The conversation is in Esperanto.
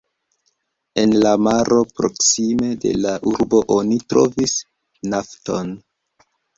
En la maro proksime de la urbo oni trovis nafton.